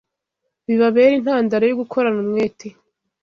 bibabere intandaro yo gukorana umwete